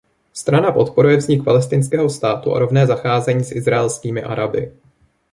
Strana podporuje vznik palestinského státu a rovné zacházení s izraelskými Araby.